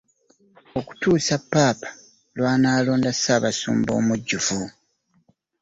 Okutuusa Ppaapa lw'anaalonda Ssaabasumba omujjuvu.